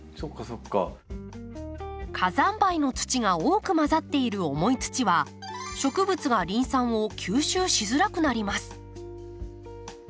火山灰の土が多く混ざっている重い土は植物がリン酸を吸収しづらくなります。